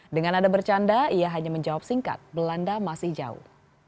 dengan nada bercanda ia hanya menjawab singkat belanda masih jauh